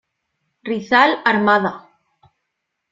Rizal 'Armada".